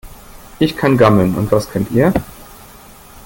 Ich kann gammeln. Und was könnt ihr?